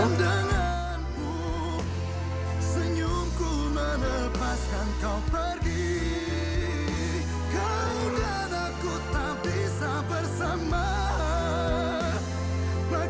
kau dan aku tak bisa bersama